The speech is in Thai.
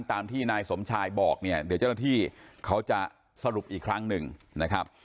ตามที่นายสมชายบอกเนี่ยเดี๋ยวเจ้าหน้าที่เขาจะสรุปอีกครั้งหนึ่งนะครับ